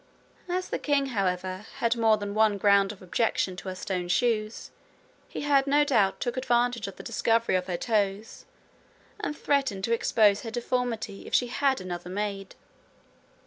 As the king, however, had more than one ground of objection to her stone shoes, he no doubt took advantage of the discovery of her toes, and threatened to expose her deformity if she had another made.